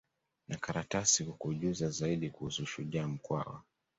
na karatasi kukujuza zaidi kuhusu shujaa mkwawa